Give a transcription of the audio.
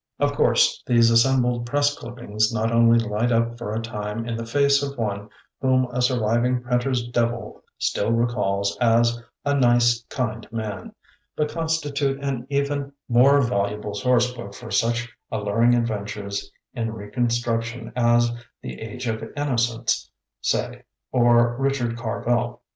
Of course these assembled press clippings not only light up for a time the face of one whom a surviving printer's devil still recalls as "a nice, kind man", but constitute an even 76 THE BOOKMAN more valuable sourcebook for such al luring adventures in reconstruction as "The Age of Innocence", say, or "Rich ard Carvel".